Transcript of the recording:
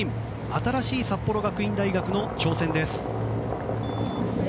新しい札幌学院大学の挑戦です。